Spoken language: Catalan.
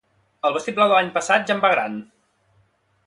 El vestit blau de l'any passat ja em va gran